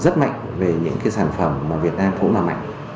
rất mạnh về những cái sản phẩm mà việt nam cũng làm mạnh